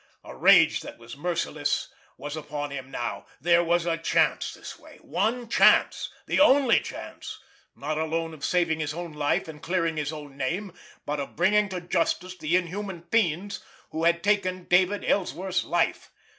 A rage that was merciless was upon him now. There was a chance this way ... one chance ... the only chance, not alone of saving his own life and clearing his own name, but of bringing to justice the inhuman fiends who had taken David Ellsworth's life